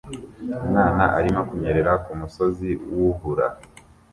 Umwana arimo kunyerera kumusozi wubura